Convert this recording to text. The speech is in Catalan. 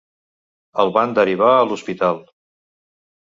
El van derivar a l'hospital.